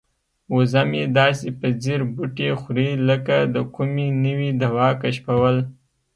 وزه مې داسې په ځیر بوټي خوري لکه د کومې نوې دوا کشفول.